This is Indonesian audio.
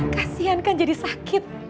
kasian kan jadi sakit